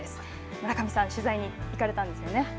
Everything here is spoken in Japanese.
村上さん、取材に行かれたんですよね。